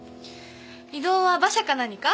移動は馬車か何か？